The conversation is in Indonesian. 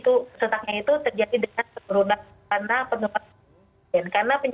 atau habis makan makanya merasa lambung